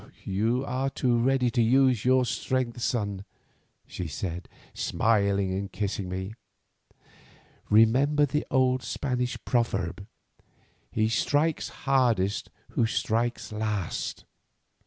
"You are too ready to use your strength, son," she said, smiling and kissing me. "Remember the old Spanish proverb: 'He strikes hardest who strikes last.